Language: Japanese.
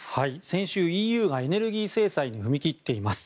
先週、ＥＵがエネルギー制裁に踏み切っています。